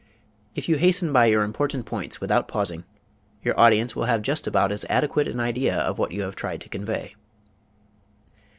If you hasten by your important points without pausing, your audience will have just about as adequate an idea of what you have tried to convey.